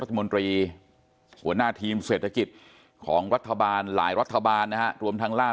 รัฐมนตรีหัวหน้าทีมเศรษฐกิจของรัฐบาลหลายรัฐบาลนะฮะรวมทั้งล่า